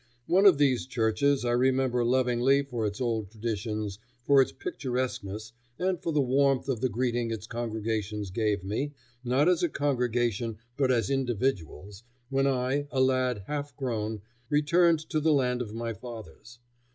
One of these churches I remember lovingly for its old traditions, for its picturesqueness, and for the warmth of the greeting its congregation gave me not as a congregation but as individuals when I, a lad half grown, returned to the land of my fathers.